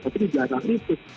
tapi di jalan itu